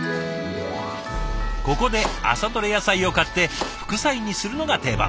ここで朝どれ野菜を買って副菜にするのが定番。